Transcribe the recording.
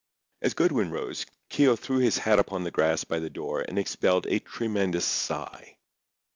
As Goodwin rose, Keogh threw his hat upon the grass by the door and expelled a tremendous sigh.